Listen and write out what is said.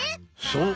そう！